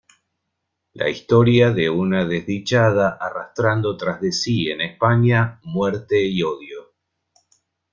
La historia de una desdichada arrastrando tras de sí en España, muerte y odio.